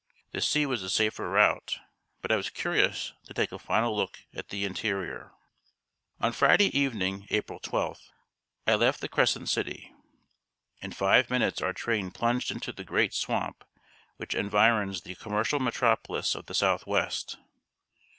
The sea was the safer route, but I was curious to take a final look at the interior. On Friday evening, April 12th, I left the Crescent City. In five minutes our train plunged into the great swamp which environs the commercial metropolis of the Southwest.